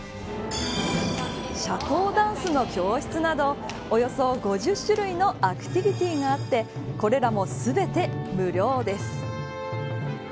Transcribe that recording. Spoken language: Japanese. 社交ダンスの教室などおよそ５０種類のアクティビティーがあってこれらも全て無料です。